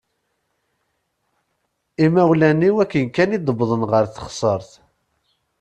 Imawlan-iw akken kan i d-wwḍen ɣer teɣsert.